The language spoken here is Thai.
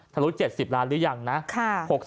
ลุ๗๐ล้านหรือยังนะ